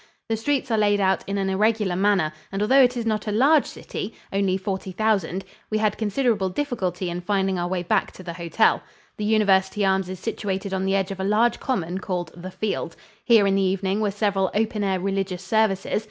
The streets are laid out in an irregular manner, and although it is not a large city only forty thousand we had considerable difficulty in finding our way back to the hotel. The University Arms is situated on the edge of a large common called "The Field." Here in the evening were several open air religious services.